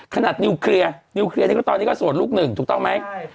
ขนาดนิลเเคลียร์นิลเเคลียร์ตอนนี้ก็สวดลูกหนึ่งถูกต้อนมั้ย